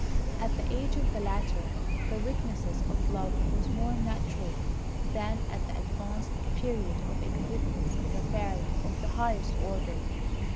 At the age of the latter, the weakness of love was more natural than at the advanced period of existence of a fairy of the highest order.